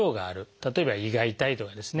例えば胃が痛いとかですね